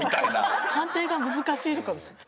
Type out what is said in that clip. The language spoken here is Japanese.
判定が難しいのかもしれない。